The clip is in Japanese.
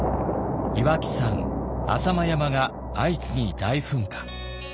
岩木山浅間山が相次ぎ大噴火。